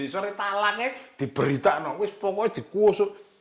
soalnya talangnya diberitakan pokoknya dikusuk